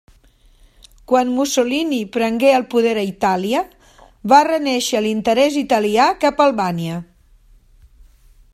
Quan Mussolini prengué el poder a Itàlia va renéixer l'interès italià cap a Albània.